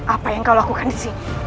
apa yang kau lakukan sih